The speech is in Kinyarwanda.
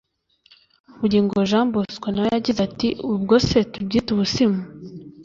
Bugingo Jean Bosco nawe yagize ati “Ubwo se tubyite ubusimu